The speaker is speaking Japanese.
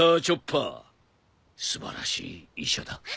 素晴らしい医者だ。